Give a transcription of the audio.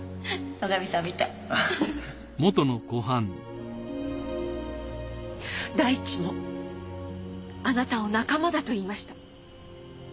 野上さんみたい大地もあなたを仲間だと言いました。